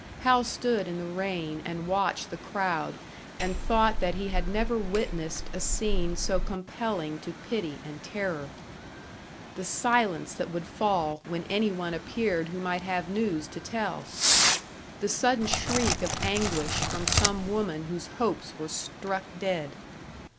Hal stood in the rain and watched the crowd and thought that he had never witnessed a scene so compelling to pity and terror. The silence that would fall when any one appeared who might have news to tell! The sudden shriek of anguish from some woman whose hopes were struck dead!